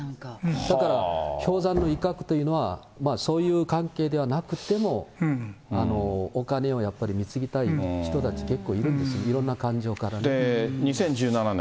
だから、氷山の一角というのは、そういう関係ではなくても、お金はやっぱり貢ぎたい人たち、結構いるんですよ、２０１７年。